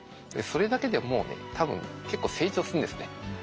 それだけでもうね多分結構成長するんですね。